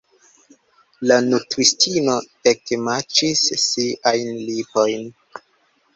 La nutristino ekmaĉis siajn lipojn.